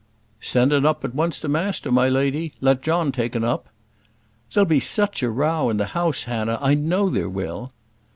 "Send 'un up at once to master, my lady! let John take 'un up." "There'll be such a row in the house, Hannah; I know there will."